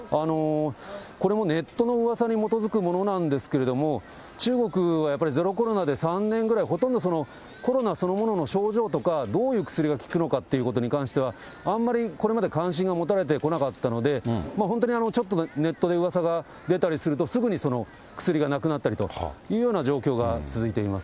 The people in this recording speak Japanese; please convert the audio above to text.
これもネットのうわさに基づくものなんですけれども、中国はやっぱりゼロコロナで、３年ぐらいほとんど、コロナそのものの症状とか、どういう薬が効くのかっていうことに関しては、あんまりこれまで関心が持たれてこなかったので、本当にちょっとネットでうわさが出たりすると、すぐにその薬がなくなったりというような状況が続いています。